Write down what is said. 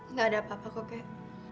enggak ada apa apa kok kek